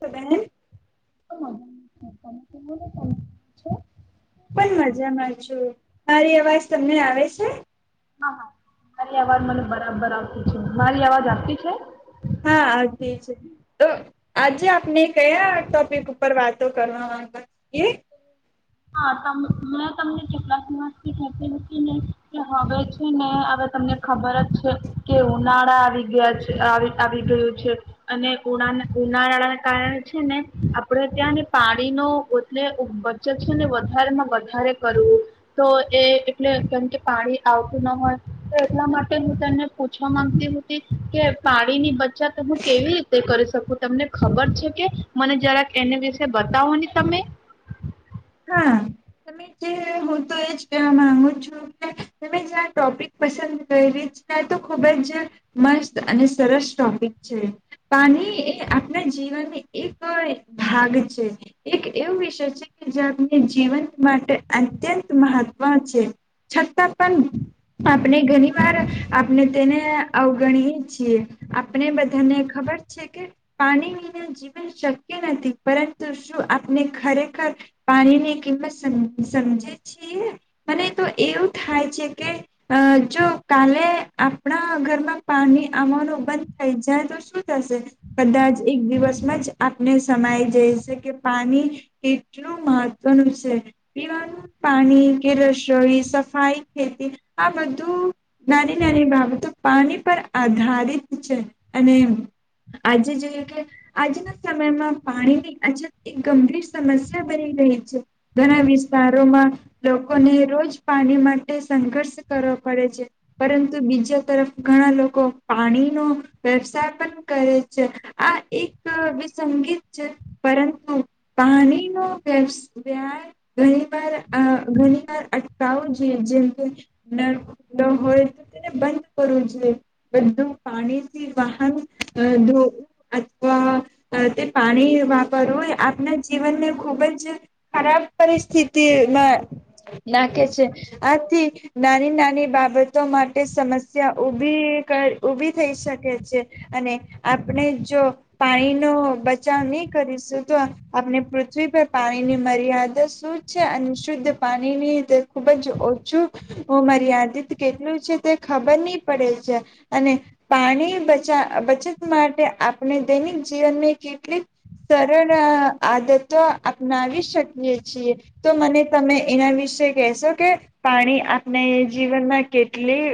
બહેન [inaudible] હું પણ મજામાં છુ. મારી અવાજ તમને આવે છે? હા હા તમારી અવાજ મને બરાબર આવતી છે. મારી અવાજ આવતી છે? હા, અતી છે. તો આજે આપને કયા ટોપિક ઉપર વાતો કરવા [unintelligible] હા, તમ મેં તમને [unintelligible] છે ને હવે તમને ખબર જ છે કે ઉનાળા આવી ગયા છે., અ આવી ગયું છે અને ઉના ઉનાળાને કારણે છે ને આપણે ત્યાં ને પાણીનો એટલે બચત છેને વધારેમાં વધારે કરવું, તો એ એટલે કેમ કે પાણી આવતું ના હોય, તો એટલા માટે હું તને પૂછવા માંગતી હતી, કે પાણીની બચત હું કેવી રીતે કરી શકું. તમને ખબર છે કે? મને જરાક એને વિશે બતાવો ને તમે. [inaudible] હા, તમે જે હું તો એજ કવા માંગુ છું કે, તમે જ્યાં ટોપિક પસંદ કરી છે તો ખુબ જ મસ્ત અને સરસ ટોપિક છે. પાણી એ આપણા જીવનની એક ભાગ છે. એક એવું વિષય છે જે આપણે જીવંત માટે અત્યંત મહત્વ છે, છતાં પણ આપણે ઘણી વાર આપણે તેને અવગણીએ છીએ. આપને બધાને ખબર છે કે પાણી વિના જીવન શક્ય નથી, પરંતુ શું આપને ખરેખર પાણીની કિંમત સમ સમજે છીએ. મને તો એવું થાય છે કે, અ જો કાલે આપણા ઘરમાં પાણી આવવાનું બંધ થઈ જાય તો શું થશે? કદાચ એક દિવસમાં જ આપને સમાઈ જઈ છે કે પાણી કેટ લું મહત્વનું છે. પીવાનું પાણી કે, રસોઈ, સફાઈ ખેતી આ બધું નાની નાની બાબતો પાણી પર આધારિત છે અને આજે જોઈ કે આજના સમયમાં પાણીની અછત એક ગંભીર સમસ્યા બની રહી છે. ઘણા વિસ્તારોમાં લોકોને રોજ પાણી માટે સંઘર્ષ કરવો પડે છે. પરંતુ બીજા તરફ ઘણા લોકો પાણીનો વ્યવસાય પણ કરે છે આ એક વિસંગીત છે. પરંતુ પાણી [unintelligible] ઘણી વાર ઘણી વાર અટકાવું જોઈ. જેમ કે, નળ ખુલ્લો હોય તો તેને બંધ કરવું જોઈએ. બધું પાણીથી વાહન ધોવું અથવા તે પાણી વાપરવું એ આપના જીવનને ખુબજ ખરાબ પરિસ્થિતિમાં નાખે છે. આથી નાની નાની બાબતો માટે સમસ્યા ઉભી ક ઉભી થઈ શકે છે અને આપણે જો પાણીનો બચાવ ની કરીશું તો આપણે પૃથ પૃથ્વી પાણીની મર્યાદા શું છે અને શુદ્ધ પાણીની ખૂબ જ ઓછું મર્યાદિત કેટલું છે, તે ખબર નહી પડે છે. અને પાણી બચા બચત માટે આપણે દૈનિક જીવનની કેટલીક સરળ આદત તો અપનાવી શકીએ છીએ. તો મને તમે એના વિશે કહેશો કે, પાણી આપણે જીવનમાં કેટલી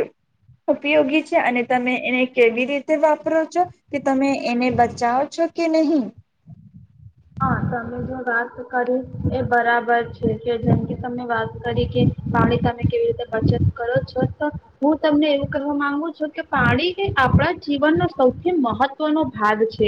ઉપયોગી છે અને તમે એને કેવી રીતે વાપરો છો, કે તમે એને બચાવો છો કે નહી? હા, તમે વાત કરી એ બરાબર છે. કે જેમ કે તમે વાત કરી કે પાણી તમે કેવી રીતે બચત કરો છો? તો હું તમને એવું કહેવા માંગુ છું કે પાણી એ આપણા જીવનનો સૌથી મહત્વનો ભાગ છે.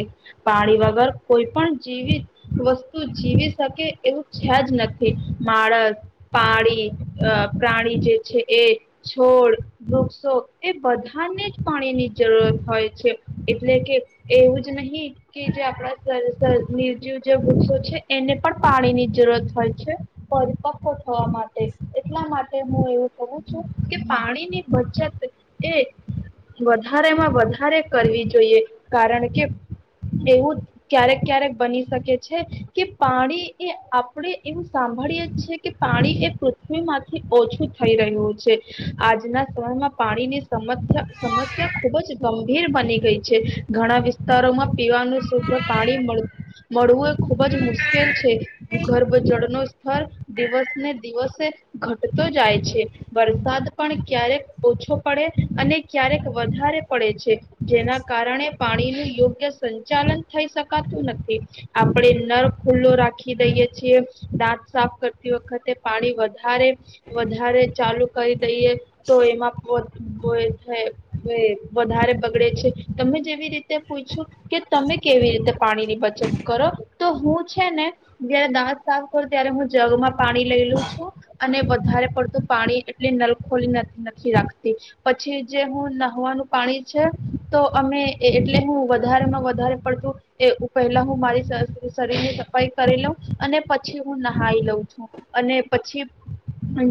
પાણી વગર કોઈ પણ જીવિત વસ્તુ જીવી શકે એવું છે જ નથી. માણસ, પાણી, અહ પ્રાણી જે છે એ છોડ, વૃક્ષો એ બધાને જ પાણીની જરૂરત હોય છે. એટલે કે એવુંજ નહી કે જે આપણા [unintelligible] નિર્જીવ જે વૃક્ષો છે એને પણ પાણીની જરૂરત હોય છે પરિપક્વ થવા માટે, એટલા માટે હું એવું કહું છું કે પાણીની બચત એ વધારેમાં વધારે કરવી જોઈએ, કારણકે એવું ક્યારેક ક્યારેક બની શકે છે કે પાણી એ આપણે એવું સાંભળી છે કે પાણી એ પૃથ્વીમાંથી ઓછું થઈ રહ્યું છે. આજના સમયમાં પાણીની સમસ્યા સમસ્યા ખુબજ ગંભીર બની ગઈ છે. ઘણા વિસ્તારોમાં પીવાનું શુદ્ધ પાણી મળ મળવું ખુબજ મુશ્કેલ છે. ભૂગર્ભ જળ ન સ્તર દિવસ ને દિવસે ઘટતો જાય છે. વરસાદ પણ ક્યારેક ઓછો પડે અને ક્યારેક વધારે પડે છે. જેના કારણે પાણીની યોગ્ય સંચાલન થઈ શકાતું નથી. આપણેે નળ ખુલ્લો રાખી દઈયે છીએ. દાંત સાફ કરતી વખતે પાણી વધ ધારે વધારે ચાલુ કઈ જઈએ તો એમાં પર [unintelligible] વધારે બગડે છે. તમે જેવી રીતે પૂયછુ કે, તમે કેવી રીતે પાણી ની બચત કરો. તો હું છે ને, જયારે દાંત સાફ કરું ત્યારે હું જગમાં પાણી લઈ લું છું અને વધારે પડતું પાણી એટલે નલ ખોલી નથી નથી રાખતી. પછી જે હું નાહવાનું પાણી છે તો અમે એટલે હું વધારેમાં વધારે પડતું અ પહેલા હું મારી શરી-શરીર ની સફાઈ કરી લઉં અને પછી હું નહાઈ લઉં છું અને પછી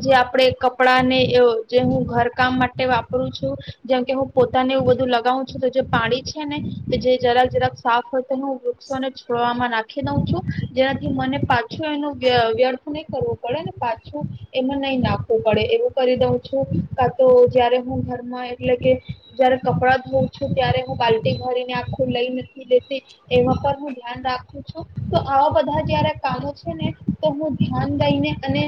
જે આપડે કપડા ને એ જે હું ઘર કામ માટે વાપરું છું. જેમ કે હું પોતાને એવું બધું લગાવું છું તો જે પાણી છે ને, જે જરાક જરાક સાફ અ એનું વૃક્ષોને છ આમાં નાખી દઉં છું. જેનાથી મને પાછું એનો વ્ય વ્યર્થ નહી કરવું પડે ને પાછું એમાં નહી નાખવું પડે એવું કરી દઉં છું. કા તો જયારે હું ઘરમાં એટલે કે જયારે કપડા ધોવ છું ત્યારે હું બાલ્ટી ભરીને આખું લઈ નથી લેતી. એમાં પર હૂં ધ્યાન રાખું છું. તો આવા બધા જયારે કામો છે ને, તો હું ધ્યાન દઈને અને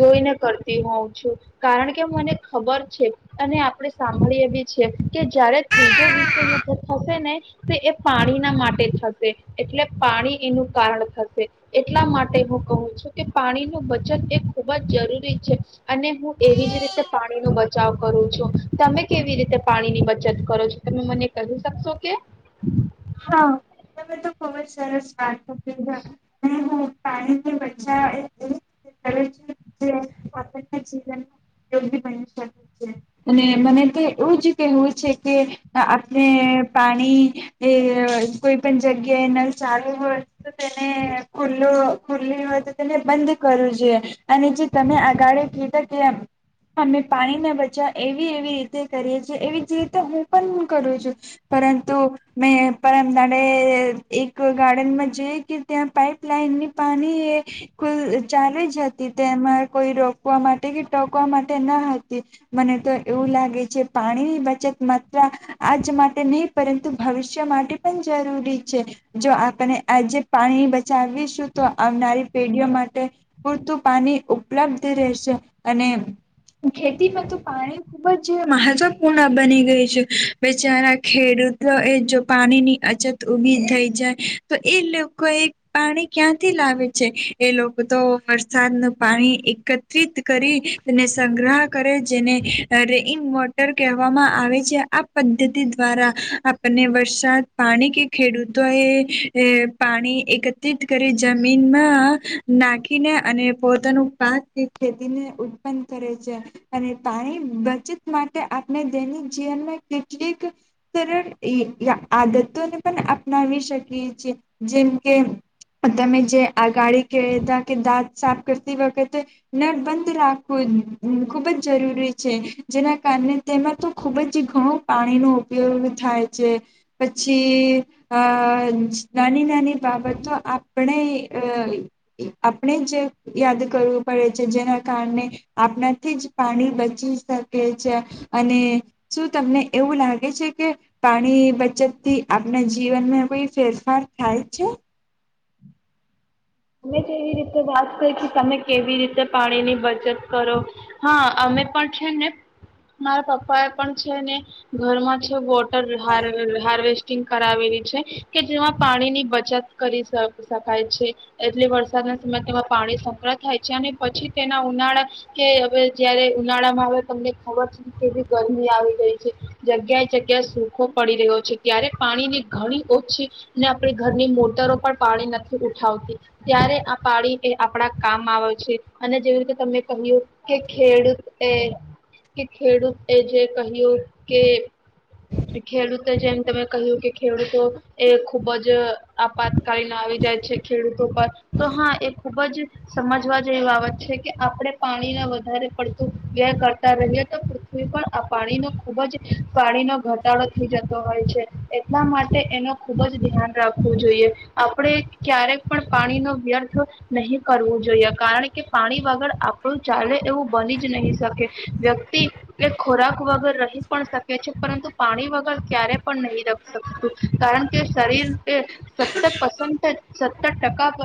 જોઈને કરતી હોઉં છું. કારણ કે મને ખબર છે અને આપણે સાંભળીએ ભી છે કે, જયારે ત્રીજો વિશ્વ યુદ્ધ થશે ને તો એ પાણીના માટે થશે. એટલે પાણી એનું કારણ થશે. એટલા માટે હું કહું છું કે પાણીનું બચત એ ખૂબ જ જરૂરી છે અને હું એવી જ રીતે પાણીનો બચાવ કરું છું. તમે કેવી રીતે પાણીની બચત કરો છો, તમે મને કહી શકશો કે? હા, તમે તો ખુબ જ સરસ વાત [unintelligible] અને હું પાણીનું બચાવ એવી રીતે કરું છું કે, આપણને જીવનમાં [inaudible] બની શકે છે અને મને તો એવું જ કેહેવું છે કે, આપણે પાણી એ અહ કોઈ પણ જગ્યાએ નલ ચાલુ હોય, તો તેને ખુલ્લુ ખુલ્લી હોય તો તેને બંધ કરવું જોઈએ અને જે તમે અગાળી કીધા કે અમે પાણીના બચાવ એવી એવી રીતે કરીએ છીએ. એવી જ રીતે હું પણ કરું છું. પરંતુ મેં પરમ દાડે એક ગાર્ડનમાં જોયું કે, ત્યાં પાઈપલાઇનની પાની એ કુલ ચાાલુ જ હતી. તેમાં કોઈ રોકવા માટે કે ટોકવા માટે ન હતી. મને તો એવું લાગે છે પાણીની બચત માત્રા આજ માટે નહી પરંતુ ભવિષ્ય માટે પણ જરૂરી છે. જો આપણે આજે પાણી બચાવીશું તો આવનારી પેઢીઓ માટે પૂરતું પાણી ઉપલબ્ધ રહેશે અને ખેતીમાં તો પાણી ખુબ જ મહત્વપૂર્ણ બની ગય છે. બેચારા ખેડૂત અ જો પાણીની અછત ઊભી થઈ જાય, તો એ લોકો એ પાણી ક્યાંથી લાવે છે. એ લોકો તો વરસાદનું પાણી એકત્રિત કરી અને સંગ્રહ કરે. જેને રૈન વોટર કહેવામાં આવે છે. આ પદ્ધતિ દ્વારા આપળને વરસાદ પાણી કે ખેડૂતો એ એ પાણી એકત્રિત કરી જમીનમાં નાખીને અને પોતાનું પાક કે ખેતીને ઉત્પન્ન કરે છે. અને પાણી બચત માટે આપણે દૈનિક જીવનમાં કેટલીક સરળ ઈ ય આદતોને પણ અપનાવી શકીએ છીએ. જેમ કે તમે જે અગાળી કેહતા કે, દાંત સાફ કરતી વખતે નળ બંધ રાખવું ખૂબ જ જરૂરી છે. જેના કારને તેમાં તો ખૂબ જ ઘણું પાણીનો ઉપયોગ થાય છે. પછી આ નાની નાની બાબતો આપણે અ આપણે જ યાદ કરવું પડે છે. જેના કારણે આપણાથી જ પાણી બચી શકે છે અને શું તમને એવું લાગે છે કે પાણી બચતથી આપના જીવનમાં કોઈ ફેરફાર થાય છે? અમે જેવી રીતે વાત કરી તમે કેવી રીતે પાણીની બચત કરો. હા, અમે પણ છે ને મારા પપ્પા એ પણ છે ને ઘરમાં છે વોટર હાર્વ હાર્વેસ્ટિંગ કરાવેલી છે. કે જેમાં પાણીની બચત કરી શ શકાય છે. એટલે વરસાદના સમય તેમાં પાણી સંગ્રહ થાય છે અને પછી તેના ઉનાળા કે હવે જયારે ઉનાળામાં હવે તમને ખબર છે કેવી ગરમી આવી ગઈ છે. જગ્યાએ જગ્યાએ સૂખો પડી રહ્યો છે. ત્યારે પાણીની ઘણી ઓછી ને આપણી ઘરની મોટરો પણ પાણી નથી ઉઠાવતી. ત્યારે આ પાળી એ આપણા કામ આવે છે અને જેવી રીતે તમે કહ્યું કે ખેડૂત એ કે ખેડૂત એ જે કહ્યું કે ખેડૂતો જેમ તમે કહ્યું કે ખેડૂતો એ ખૂબ જ આપાતકાલીન આવી જાય છે ખેડૂતો પર. તો હા, એ ખૂબ જ સમજવા જેવી બાબત છે કે આપણે પાણીના વધારે પડતું વ્યય કરતા રહીએ તો પૃથ્વી પણ આ પાણીનો ખૂબ જ પાણીનો ઘટાડો થઈ જતો હોય છે. એટલા માટે એનો ખૂબ જ ધ્યાન રાખવું જોઈએ. આપણે ક્યારેક પણ પાણી નો વ્યર્થ નહી કરવું જોઈએ. કારણ કે, પાણી વગર આપણું ચાલે એવું બની જ નહી શકે. વ્યક્તિ એ ખોરાક વગર રહી પણ શકે છે. પરંતુ, પાણી વગર ક્યારે પણ નહી રખ શકતું. કારણ કે, શરીર એ સત્ત પસન્ટેજ સત્ત ટકા પ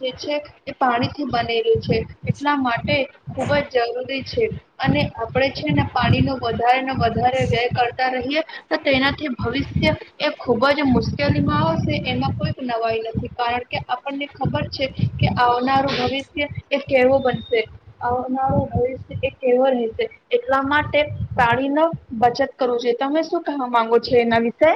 જે છે એ પાણીથી બનેલું છે. એટલા માટે ખૂબ જ જરૂરી છે અને આપણે છે ને પાણીનો વધારેને વધારે વ્યય કરતા રહીએ તો તેનાથી ભવિષ્ય એ ખુબ જ મુશ્કેલીમાં આવશે. એમાં કોઈક નવાઈ નથી કારણ કે, આપણને ખબર છે કે આવનારું ભવિષ્ય એ કેવો બનશે, આવનારું ભવિષ્ય એ કેવો રહેશે એટલા માટે પાણી ન બચત કરવો જોયે. તમે શું કહેવા માંગો છો એના વિશે?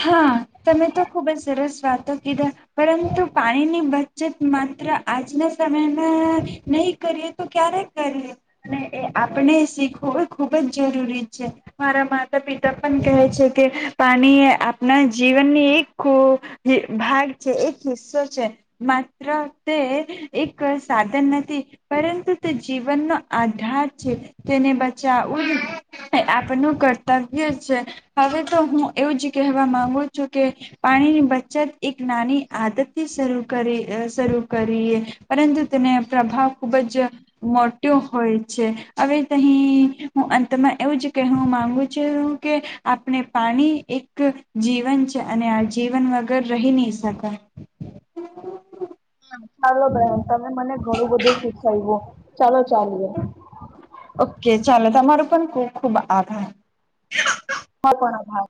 હા, તમે તો ખુબ જ સરસ વાતો કીધા. પરંતુ, પાણીની બચત માત્ર આજના સમયમાં નહી કરીએ તો ક્યારે કરીએ અને એ આપણે શીખવું ખુબ જ જરૂરી છે. મારા માતા પિતા પણ કહે છે કે, પાણીએ આ આપના જીવનની એક ખુ જ ભાગ છે. એક હિસ્સો છે. માત્ર તે એક સાધન નથી પરંતુ, તે જીવનનો આધાર છે. તેને બચાવવું આપળનું કર્તવ્ય છે. હવે તો હું એવું જ કેહવા માંગુ છું કે, પાણીની બચત એક નાની આદતથી શરૂ કરી અ શરૂ કરીએ. પરંતુ, તેને પ્રભાવ ખુબ જ મોટયો હોય છે. હવે તહી હું અંતમાં એવું જ કહેવું માંગુ છું કે, આપણે પાણી એ ક જીવન છે અને આ જીવન વગર રહી નહી શકાય. [inaudible] ચાલો બહેન તમે મને ઘણું બધું શીખાયવું ચાલો ચલીએ. તમારું પણ ખુબ ખુબ આભાર. હા, પણ આભાર.